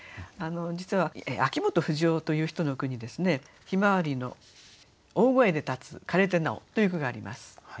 実は秋元不死男という人の句に「向日葵の大声で立つ枯れて尚」という句があります。